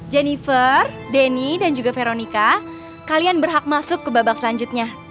jennifer denny dan juga veronica kalian berhak masuk ke babak selanjutnya